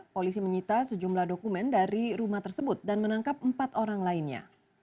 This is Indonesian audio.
polisi menyita sejumlah dokumen dari rumah tersebut dan menangkap empat orang lainnya